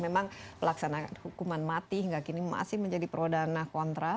memang pelaksanaan hukuman mati hingga kini masih menjadi pro dana kontra